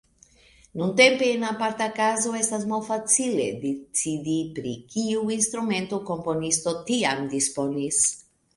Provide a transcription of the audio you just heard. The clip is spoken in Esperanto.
Nuntempe en aparta kazo estas malfacile decidi, pri kiu instrumento komponisto tiam disponis.